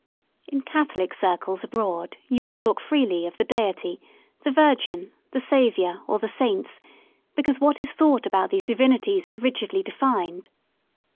In Catholic circles abroad you may talk freely of the Deity, the Virgin, the Saviour, or the Saints, because what is thought about these divinities is rigidly defined.